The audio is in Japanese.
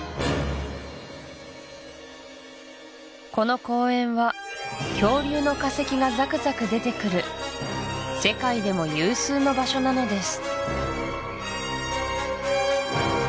この公園は恐竜の化石がザクザク出てくる世界でも有数の場所なのです